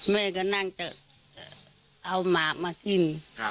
แม่ก็นั่งจะเอาหมากมากิน